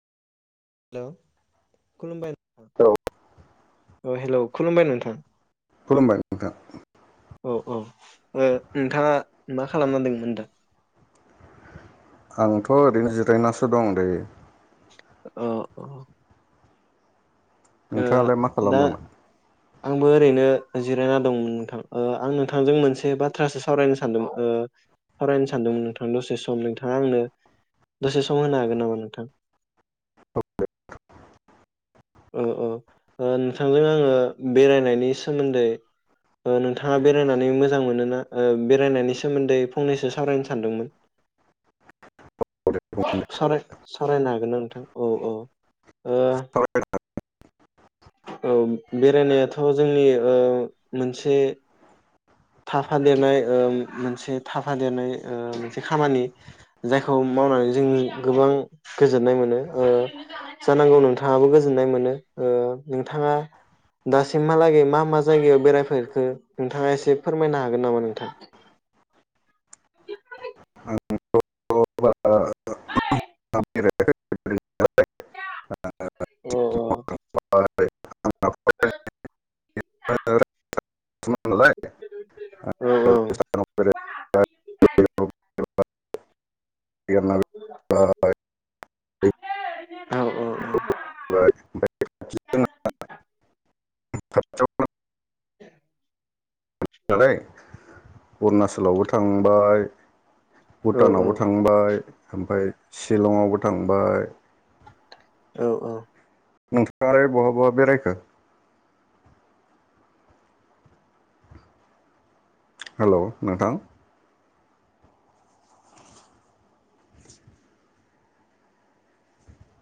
हेल' खुलुमबाय औ अ हेलौ खुलुमबाय नोंथां। खुलुमबाय नोंथां औ औ ओ नोंथाङा मा खालामनै जोङो नोंथां? आंथ' ओरैनो जिरायनासो दं दायो। अ औ ओ नोंथाङालाय मा दा खालामदोंमोन? आंबो ओरैनो जिरायना दंमोन नोंथां ओ आं नोंथांजों मोनसे बाथ्रासो सावरायनो सानदों ओ सावरायनो सानदोंमोन नोंथां दसे सम नोंथाङा आंनो दसे सम होनो हागोन नामा नोंथां? औ औ ओ नोंथांजों आङो बेरायनायनि सोमोन्दै ओ नोंथाङा बेरायनानै मोजां मोनो ना ओ बेरायनायनि सोमोन्दै फंनैसो सावरायनो सानदोंमोन सावराय सावरायनो हागोन ना नोंथां औ औ ओ औ बेरायनायाथ' जोंनि ओ मोनसे थाफा देरनाय ओ मोनसे थाफा देरनाय ओ मोनसे खामानि जायखौ मावनानै जों गोबां गोजोननाय मोनो ओ जानांगौ नोंथाङाबो गोजोननाय मोनो ओ नोंथाङा दासिमहालागै मा मा जायगायाव बेरायफेरखो नोंथाङा एसे? फोरमायनो हागोन नामा नोंथां? [inaudible] [unintelligible] अ औ औ [unintelligible] [unintelligible] [unintelligible] [unintelligible] औ औ औ [unintelligible] [unintelligible] [unintelligible] नालाय अरुणाचलावबो थांबाय औ भुटानावबो थांबाय ओमफाय शिलंआवबो थांबाय औ औ नोंथाङालाय बहा बहा बेरायखो हेल' नोंथां